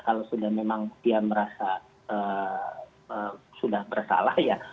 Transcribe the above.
kalau sudah memang dia merasa sudah bersalah ya